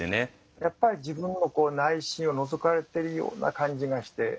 やっぱり自分の内心をのぞかれてるような感じがして。